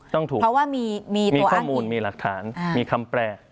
ต้องถูกเพราะว่ามีตัวอ้างอิงมีข้อมูลมีหลักฐานมีคำแปร